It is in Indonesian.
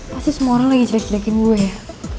pasti semua orang lagi jelek jelekin gue ya